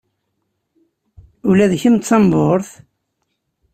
Ula d kemm d tamburt?